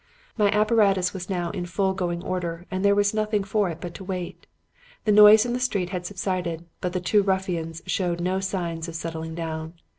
"My apparatus was now in full going order and there was nothing for it but to wait. The noise in the street had subsided, but the two ruffians showed no signs of settling down.